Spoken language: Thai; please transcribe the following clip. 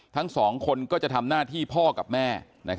ทั้งสองคนก็จะทำหน้าที่พ่อกับแม่